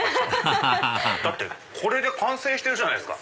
アハハハハこれで完成してるじゃないですか。